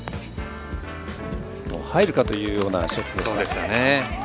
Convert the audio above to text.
入るかというようなショットでした。